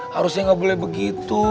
harusnya gak boleh begitu